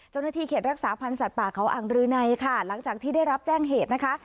เจ้าหน้าที่เขตรักษาพันธ์สัตว์ป่าเขาอ่างรืนัยค่ะหลังจากที่ได้รับแจ้งเหตุนะคะ